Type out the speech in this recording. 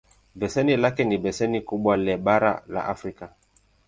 Beseni lake ni beseni kubwa le bara la Afrika.